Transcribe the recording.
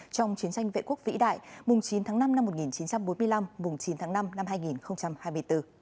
trong chiến tranh vệ quốc vĩ đại chín tháng năm năm một nghìn chín trăm bốn mươi năm chín tháng năm năm hai nghìn hai mươi bốn